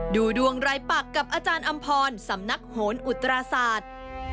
ดูดวงรายปักกับอาจารย์อำพรสำนักโหนอุตราศาสตร์